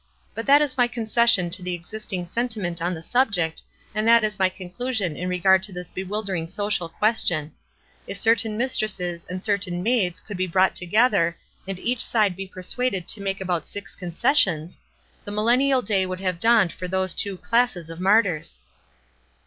" But that is my concession to the exist ing sentiment on the subject, and that is my conclusion in regard to this bewildering social question. If certain mistresses and certain maids could be brought together, and each side be persuaded to make about six concessions, the 862 WISE AND OTHERWISE. millennial day would have dawned for those two classes of martyrs."